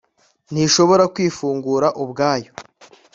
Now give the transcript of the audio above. ntishobora kwifungura ubwayo